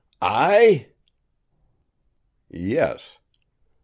"I?" "Yes."